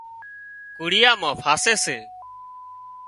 ڪڙيا مان ڦاسي سي